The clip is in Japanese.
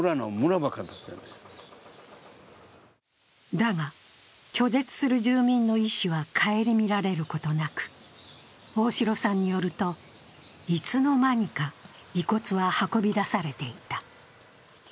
だが、拒絶する住民の意思は顧みられることなく、大城さんによると、いつの間にか遺骨は運び出されていた。